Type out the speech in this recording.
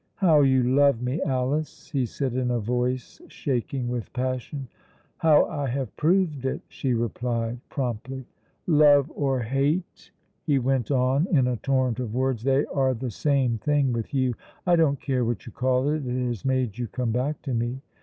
"How you love me, Alice!" he said in a voice shaking with passion. "How I have proved it!" she replied promptly. "Love or hate," he went on in a torrent of words, "they are the same thing with you. I don't care what you call it; it has made you come back to me.